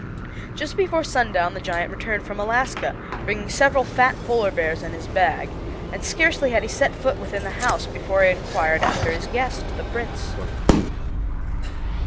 Just before sundown the giant returned from Alaska, bringing several fat polar bears in his bag; and scarcely had he set foot within the house before he inquired after his guest, the Prince.